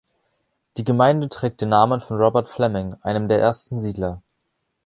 Die Gemeinde trägt den Namen von Robert Fleming, einem der ersten Siedler.